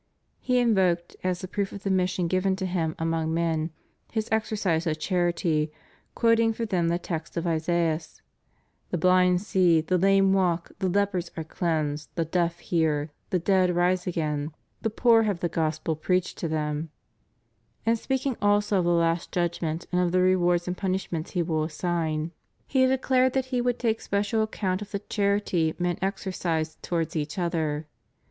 He invoked, as the proof of the mission given to Him among men, His exer cise of charity, quoting for them the text of Isaias: The blind see, the lame walk, the lepers are cleansed, the deaf hear, the dead rise again, the poor have the Gospel preached to them} And speaking also of the Last Judgment and of the rewards and punishments He will assign. He de 'MaU. xi. 5. CHRISTIAN DEMOCRACY. 487 clared that He would take special account of the charity men exercised towards each other.